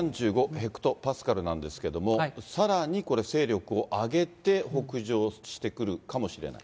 ヘクトパスカルなんですけれども、さらにこれ、勢力を上げて北上してくるかもしれない。